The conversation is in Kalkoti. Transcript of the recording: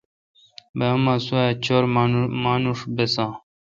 بہ اماں سوا چُر مانوش بساں۔